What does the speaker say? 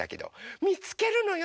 みつけるのよ！